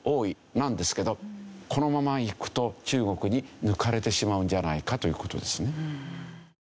なんですけどこのままいくと中国に抜かれてしまうんじゃないかという事ですね。